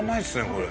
これ。